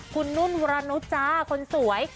คุณนุ่นวรรณุจ้าคนสวย